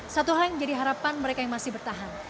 satu hal yang menjadi harapan mereka yang masih bertahan